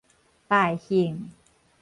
敗興